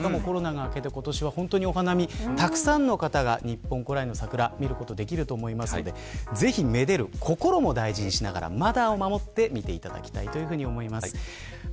しかも、コロナが開けて今年は、お花見たくさんの方が日本古来の桜を見ることができると思うのでぜひ愛でる心も大事にしながらマナーを守って見ていだたきたいと思います。